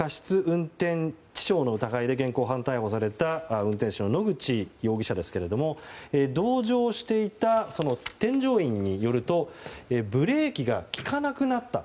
運転致傷の疑いで現行犯逮捕された運転手の野口容疑者ですけど同乗していた添乗員によるとブレーキが利かなくなった。